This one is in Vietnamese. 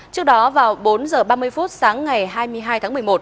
trước đó vào bốn h ba mươi phút sáng ngày hai mươi hai tháng một mươi một